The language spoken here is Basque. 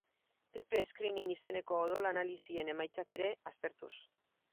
Triple screening izeneko odol-analisien emaitzak ere aztertuz.